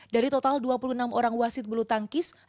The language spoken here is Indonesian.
dari total dua puluh enam orang wasit bulu tangkis